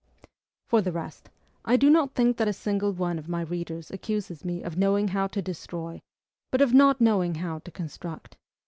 For the rest, I do not think that a single one of my readers accuses me of knowing how to destroy, but of not knowing how to construct.